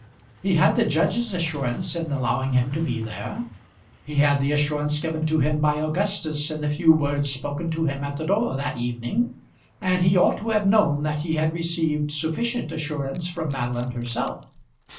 He had the judge's assurance in allowing him to be there; he had the assurance given to him by Augustus in the few words spoken to him at the door that evening; and he ought to have known that he had received sufficient assurance from Madeline herself.